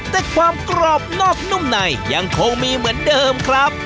แต่ความกรอบนอกนุ่มในยังคงมีเหมือนเดิมครับ